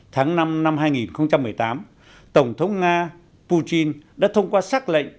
tháng năm năm hai nghìn một mươi tám tổng thống nga putin đã thông qua xác lệnh